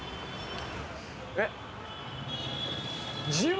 えっ？